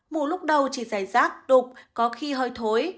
mù lúc đầu chỉ dài rác đục có khi hơi thối